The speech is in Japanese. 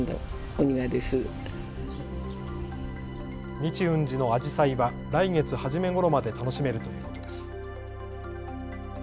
日運寺のアジサイは来月初めごろまで楽しめるということです。